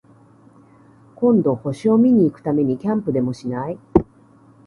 今度、星を見に行くためにキャンプでもしない？